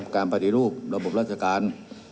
ปฏิรูประบบราชการ